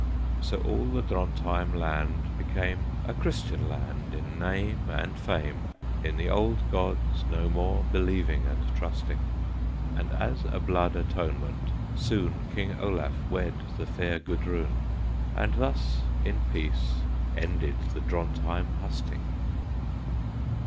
So all the Drontheim land became A Christian land in name and fame, In the old gods no more believing and trusting. And as a blood atonement, soon King Olaf wed the fair Gudrun; And thus in peace ended the Drontheim Hus Ting!